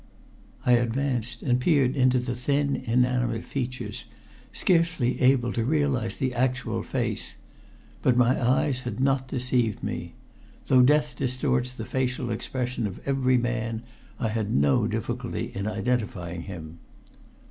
I advanced and peered into the thin inanimate features, scarce able to realize the actual fact. But my eyes had not deceived me. Though death distorts the facial expression of every man, I had no difficulty in identifying him.